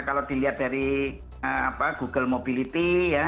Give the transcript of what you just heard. kalau dilihat dari google mobility ya